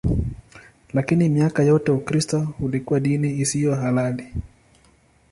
Lakini miaka yote Ukristo ulikuwa dini isiyo halali.